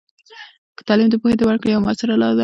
تعلیم د پوهې د ورکړې یوه مؤثره لاره ده.